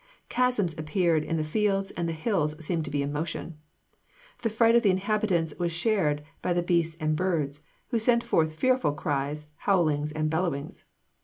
Chasms appeared in the fields, and the hills seemed to be in motion. The fright of the inhabitants was shared by the beasts and birds, who sent forth fearful cries, howlings and bellowings.